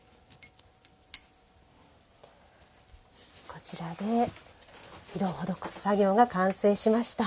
こちらで色を施す作業が完成しました。